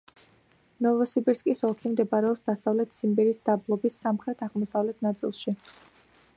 ნოვოსიბირსკის ოლქი მდებარეობს დასავლეთ ციმბირის დაბლობის სამხრეთ-აღმოსავლეთ ნაწილში.